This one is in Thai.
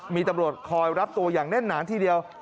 มีตำรวจคอยรับตัวอย่างแน่นหนาทีเดียว